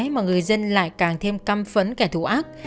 mà người dân lại càng thêm căm phấn kẻ thù ác